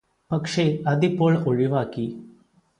പക്ഷെ അതിപ്പോൾ ഒഴിവാക്കി